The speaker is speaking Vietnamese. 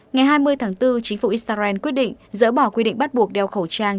ngày hai mươi tháng bốn chính phủ israel quyết định dỡ bỏ quy định bắt buộc đeo khẩu trang